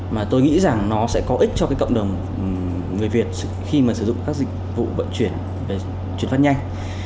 mà tôi nghĩ rằng nó sẽ có ích cho cái cộng đồng người việt khi mà sử dụng các dịch vụ vận chuyển chuyển phát nhanh